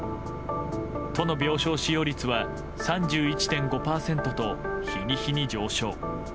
都の病床使用率は３１．５％と日に日に上昇。